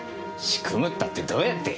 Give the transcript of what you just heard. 仕組むったってどうやって？